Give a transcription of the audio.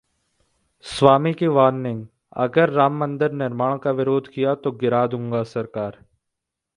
स्वामी की वार्निंग- अगर राम मंदिर निर्माण का विरोध किया तो गिरा दूंगा सरकार